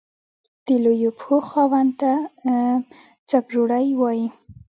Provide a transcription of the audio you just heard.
د لويو پښو خاوند ته څپړورے وائي۔